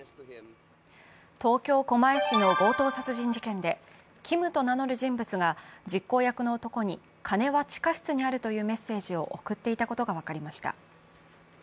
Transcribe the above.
東京・狛江市の強盗殺人事件でＫｉｍと名乗る人物が実行役の男に金は地下室にあるというメッセージを送っていたことが分かりました。